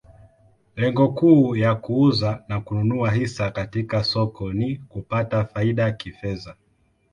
Lengo kuu ya kuuza na kununua hisa katika soko ni kupata faida kifedha.